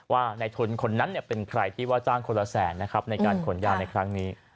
ว่าในทุนคนนั้นเป็นใครที่ว่าจ้างคนละแสนนะครับในการขนยาในครั้งนี้